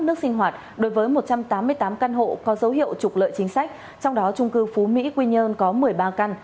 nước sinh hoạt đối với một trăm tám mươi tám căn hộ có dấu hiệu trục lợi chính sách trong đó trung cư phú mỹ quy nhơn có một mươi ba căn